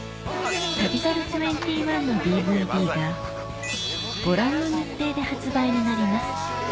『旅猿２１』のＤＶＤがご覧の日程で発売になります